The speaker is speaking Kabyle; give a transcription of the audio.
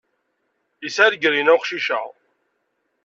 Yesɛa legrina uqcic-a.